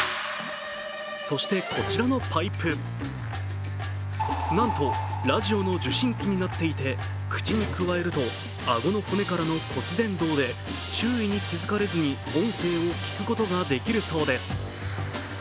そしてこちらのパイプ、なんとラジオの受信機になっていて口にくわえると、顎の骨からの骨伝導で周囲に気づかれずに音声を聞くことができるそうです。